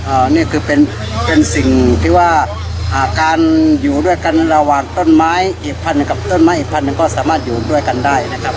อันนี้คือเป็นเป็นสิ่งที่ว่าอ่าการอยู่ด้วยกันระหว่างต้นไม้อีกพันหนึ่งกับต้นไม้อีกพันหนึ่งก็สามารถอยู่ด้วยกันได้นะครับ